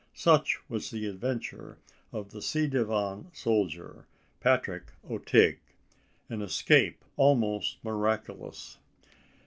Such was the adventure of the ci devant soldier, Patrick O'Tigg an escape almost miraculous!